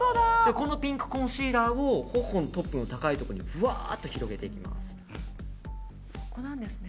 このピンクコンシーラーを頬の高いところにふわって広げていく。